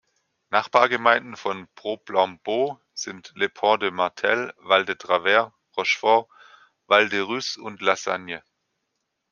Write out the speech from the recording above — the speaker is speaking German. Nachbargemeinden von Brot-Plamboz sind Les Ponts-de-Martel, Val-de-Travers, Rochefort, Val-de-Ruz und La Sagne.